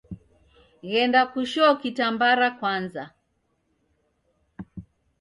Ghenda kushoo kitambara kwaza.